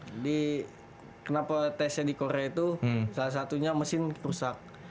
jadi kenapa tc di korea itu salah satunya mesin rusak